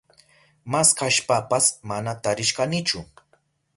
Maskashpapas mana tarishkanichu.